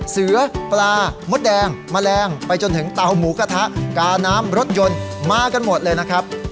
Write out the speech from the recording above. เสือปลามดแดงแมลงไปจนถึงเตาหมูกระทะกาน้ำรถยนต์มากันหมดเลยนะครับ